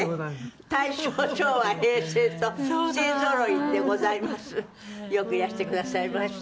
大正昭和平成と勢ぞろいでございます。